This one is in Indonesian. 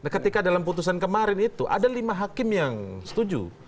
ketika dalam putusan kemarin itu ada lima hakim yang setuju